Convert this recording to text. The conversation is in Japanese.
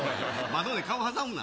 窓で顔挟むな。